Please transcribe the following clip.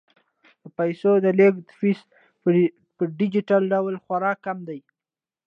د پيسو د لیږد فیس په ډیجیټل ډول خورا کم دی.